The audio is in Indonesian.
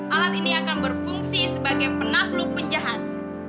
alat ini akan berfungsi sebagai penakluk penjahat